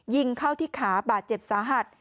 ยิงเข้าที่ขาบาดเจ็บสาหัส